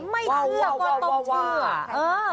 ไม่เชื่อก็ต้องเชื่อ